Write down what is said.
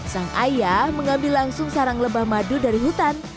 sang ayah mengambil langsung sarang lebah madu dari hutan